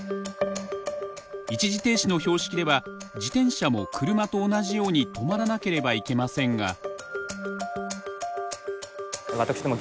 一時停止の標識では自転車も車と同じように止まらなければいけませんが。